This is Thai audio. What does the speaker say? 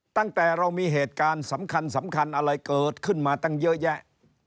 ตั้งแต่เรามีเหตุการณ์สำคัญอะไรเกิดขึ้นมาตั้งเยอะแยะ